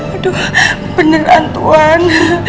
aduh beneran tuhan